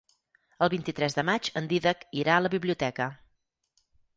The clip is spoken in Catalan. El vint-i-tres de maig en Dídac irà a la biblioteca.